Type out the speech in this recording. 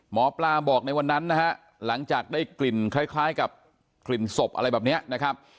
หมอปลาบอกในวันนั้นนะฮะหลังจากได้กลิ่นคล้ายกับกลิ่นศพอะไรแบบนี้นะครับ